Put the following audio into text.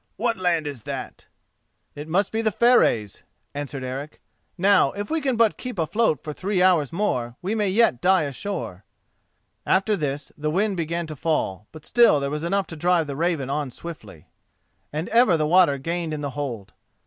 "What land is that?" "It must be the Fareys," answered Eric; "now, if we can but keep afloat for three hours more, we may yet die ashore." After this the wind began to fall, but still there was enough to drive the Raven on swiftly. And ever the water gained in the hold.